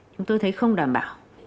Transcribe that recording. chúng tôi thấy không đảm bảo